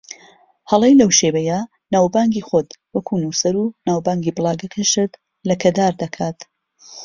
هەڵەی لەو شێوەیە ناوبانگی خۆت وەکو نووسەر و ناوبانگی بڵاگەکەشت لەکەدار دەکات